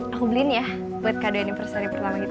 aku beliin ya buat kado anniversary pertama kita